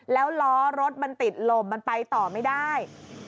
แล้วล้อรถมันติดลมมันไปต่อไม่ได้